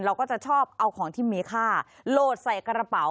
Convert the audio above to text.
เราก็จะชอบเอาของที่มีค่าโหลดใส่กระเป๋า